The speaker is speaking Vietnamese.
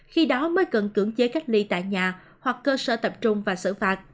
khi đó mới cần cưỡng chế cách ly tại nhà hoặc cơ sở tập trung và xử phạt